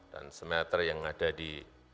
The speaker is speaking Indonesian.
dan semeliter yang ada di